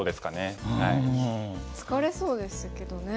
疲れそうですけどね。